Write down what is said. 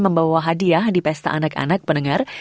membawa hadiah di pesta anak anak pendengar